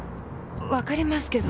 分かりますけど。